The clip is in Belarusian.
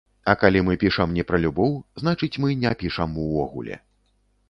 А калі мы пішам не пра любоў, значыць, мы не пішам увогуле.